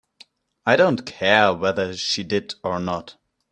I don't care whether she did or not.